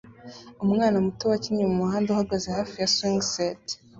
Umwana muto wakinnye mumwanda uhagaze hafi ya swing set